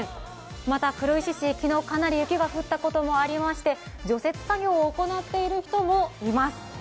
また、黒石市昨日かなり雪が降ったこともありまして除雪作業を行っている人もいます。